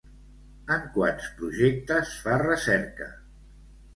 En quants projectes fa recerca?